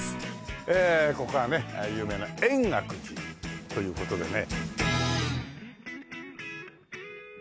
ここはね有名な円覚寺という事でね。